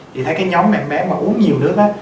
thì thấy cái nhóm mẹ bé mà uống nhiều nước á